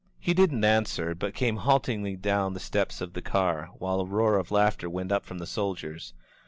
He didn't answer, but came haltingly down the steps of the car, while a roar of laughter went up from the soldiers.